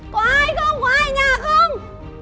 có ai không có ai ở nhà không